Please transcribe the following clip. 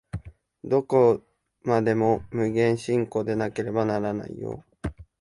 どこまでも無限進行でなければならない。